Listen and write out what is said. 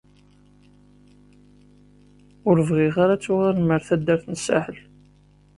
Ur bɣiɣ ara ad tuɣalem ar taddart n Saḥel.